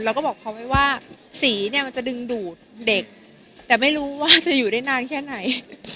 เราก็บอกเขาไว้ว่าสีเนี่ยมันจะดึงดูดเด็กแต่ไม่รู้ว่าจะอยู่ได้นานแค่ไหน